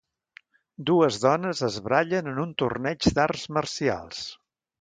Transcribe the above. Dues dones es barallen en un torneig d'arts marcials.